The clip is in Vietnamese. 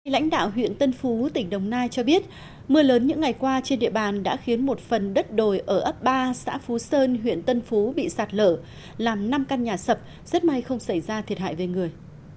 lãnh đạo huyện tân phú tỉnh đồng nai cho biết mưa lớn những ngày qua trên địa bàn đã khiến một phần đất đồi ở ấp ba xã phú sơn huyện tân phú bị sạt lở làm năm căn nhà sập rất may không xảy ra thiệt hại về người